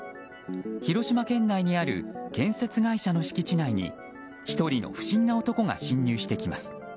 広島県内にある建設会社の敷地内に１人の不審な男が侵入してきます。